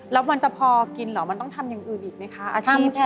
แล้วมันจะพอกินเหรอมันต้องทำอย่างอื่นอีกไหมคะอาชีพ